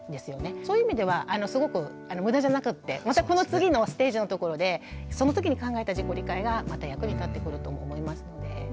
そういう意味ではすごく無駄じゃなくてまたこの次のステージのところでその時に考えた自己理解がまた役に立ってくるとも思いますので。